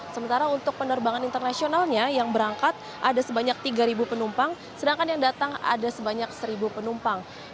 sementara untuk penerbangan internasionalnya yang berangkat ada sebanyak tiga penumpang sedangkan yang datang ada sebanyak satu penumpang